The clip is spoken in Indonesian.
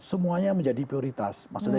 semuanya menjadi prioritas maksudnya